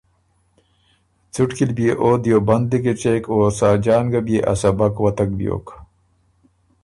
څُټکی ل بيې او دیوبند لیکی څېک او ساجان ګه بيې ا سبق وتک بیوک۔